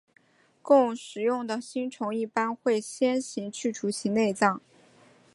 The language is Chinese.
供食用的星虫一般会先行除去其内脏。